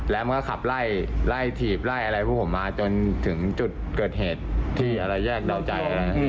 แล้วก็ขับไล่ถีบมาผู้ผมมาจนถึงจุดเกิดเหตุที่แยกแดวใจ